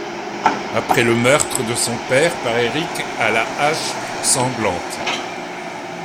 Après le meurtre de son père par Eric à la Hache sanglante.